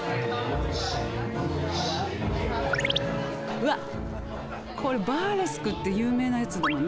うわこれ「バーレスク」って有名なやつだよね。